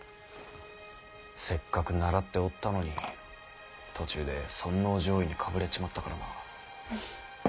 せっかく習っておったのに途中で尊王攘夷にかぶれちまったからな。